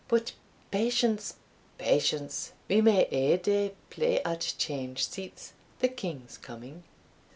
"But patience! patience! we may ae day play at change seats, the king's coming."